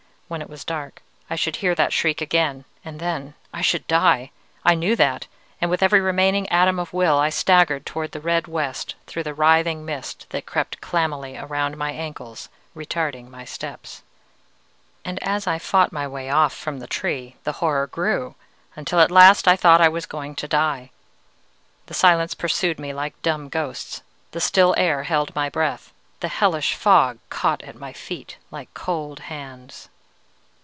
When it was dark I should hear that shriek again, and then I should die. I knew that, and with every remaining atom of will I staggered towards the red west through the writhing mist that crept clammily around my ankles, retarding my steps. "And as I fought my way off from the Tree, the horror grew, until at last I thought I was going to die. The silence pursued me like dumb ghosts, the still air held my breath, the hellish fog caught at my feet like cold hands.